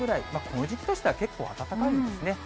この時期としては結構暖かいですね。